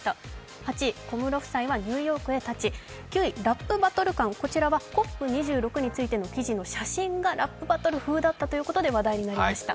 ８位、小室夫妻はニューヨークへたち、９位、ラップバトル感、こちらはＣＯＰ２６についての写真がラップバトル風だったということでした。